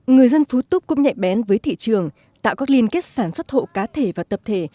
người dân phú túc cũng nhạy bén với thị trường tạo các liên kết sản xuất hộ cá thể và tập thể